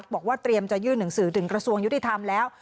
บอกว่าเตรียมจะยื่นหนังสือถึงกระทรวงยุติธรรมแล้ว